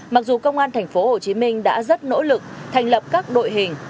mặc dù công an tp hcm đã rất nỗ lực thành lập các đội hình